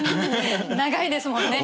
長いですもんね